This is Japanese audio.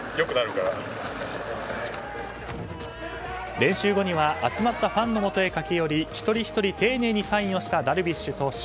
練習後には集まったファンのもとへ駆け寄り一人ひとり、丁寧にサインをしたダルビッシュ投手。